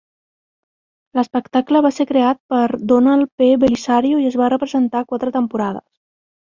L'espectacle va ser creat per Donald P. Bellisario i es va representar quatre temporades.